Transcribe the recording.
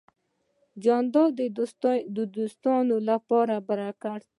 جانداد د دوستانو لپاره برکت دی.